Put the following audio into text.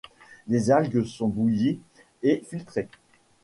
Les algues sont bouillies et filtrées.